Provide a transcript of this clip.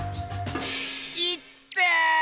いってぇ！